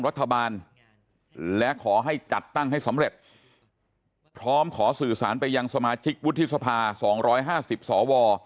รัฐบาลและขอให้จัดตั้งให้สำเร็จพร้อมขอสื่อสารไปยังสมาชิกวุฒิสภา๒๕๐สว